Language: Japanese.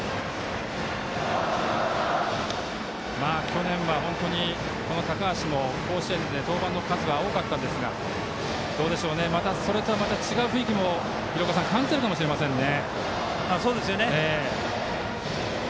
去年は高橋も甲子園で登板の数は多かったんですがまた、それとは違う雰囲気も廣岡さん感じてるかもしれませんね。